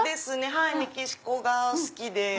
はいメキシコが好きで。